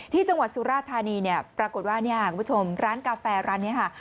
ที่จังหวัดสุราธานีเนี่ยปรากฏว่าเนี่ยคุณผู้ชมร้านกาแฟร้านนี้ค่ะ